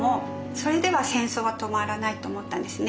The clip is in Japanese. それでは戦争は止まらないと思ったんですね。